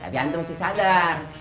tapi antum mesti sadar